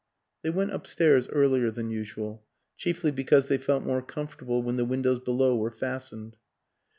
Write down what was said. They went upstairs earlier than usual, chiefly because they felt more comfortable when the windows below were fastened.